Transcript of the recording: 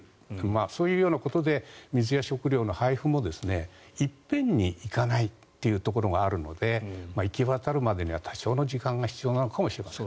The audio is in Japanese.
そういうようなことで水や食料の配布も一遍に行かないというところがあるので行き渡るまでには多少の時間が必要なのかもしれません。